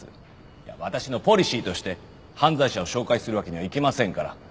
いや私のポリシーとして犯罪者を紹介するわけにはいきませんから。